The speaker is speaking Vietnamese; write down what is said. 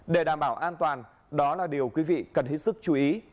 để đảm bảo an toàn đó là điều quý vị cần hết sức chú ý